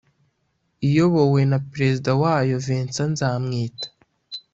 iyobowe na perezida wayo Vincent Nzamwita